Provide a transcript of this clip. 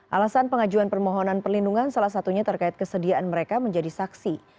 alasan pengajuan permohonan perlindungan salah satunya terkait kesediaan mereka menjadi saksi